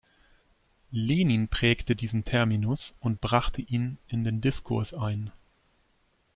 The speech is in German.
Lenin prägte diesen Terminus und brachte ihn in den Diskurs ein.